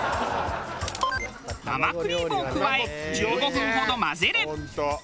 生クリームを加え１５分ほど混ぜる。